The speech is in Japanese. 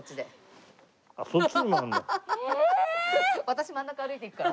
私真ん中歩いていくから。